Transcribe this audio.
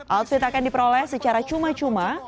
outfit akan diperoleh secara cuma cuma